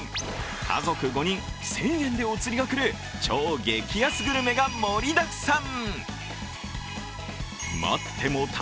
家族５人、１０００円でお釣りがくる、超激安グルメが盛りだくさん。